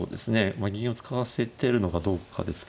まあ銀を使わせてるのかどうかですけど。